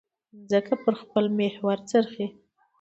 مځکه پر خپل محور څرخي.